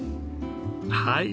はい。